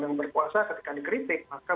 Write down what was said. yang berkuasa ketika dikritik maka